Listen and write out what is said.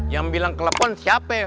yang bilang kelepon siapa